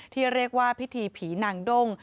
ที่เรียกว่าพิธีผีนางด้ง